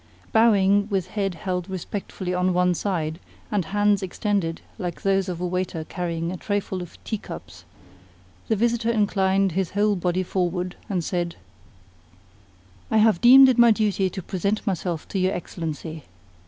Bowing with head held respectfully on one side and hands extended like those of a waiter carrying a trayful of teacups, the visitor inclined his whole body forward, and said: "I have deemed it my duty to present myself to your Excellency.